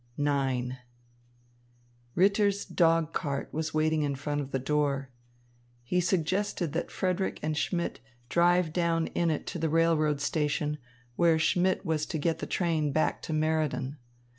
IX Ritter's dog cart was waiting in front of the door. He suggested that Frederick and Schmidt drive down in it to the railroad station, where Schmidt was to get the train back to Meriden.